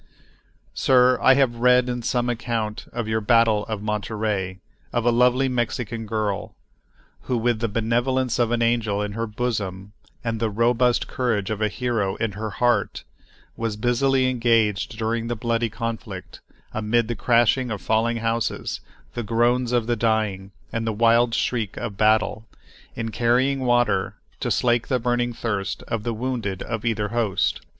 Sir, I have read in some account of your Battle of Monterey, of a lovely Mexican girl, who, with the benevolence of an angel in her bosom and the robust courage of a hero in her heart, was busily engaged during the bloody conflict, amid the crash of falling houses, the groans of the dying, and the wild shriek of battle, in carrying, water to slake the burning thirst of the wounded of either host.